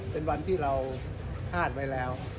เป็นวันที่เราคาดไว้แล้ว